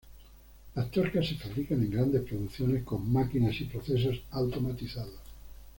Las tuercas se fabrican en grandes producciones con máquinas y procesos automatizados.